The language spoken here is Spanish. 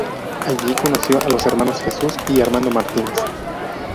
Allí conoció a los hermanos Jesús y Armando Martínez.